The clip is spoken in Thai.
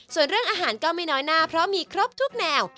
ส่วนเรื่องอาหารก็ไม่น้อยหน้าเพราะมีครบทุกแนว